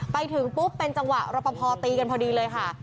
ไปถึงปุ๊บเป็นจังหวะรปภตีกันพอดีเลยค่ะ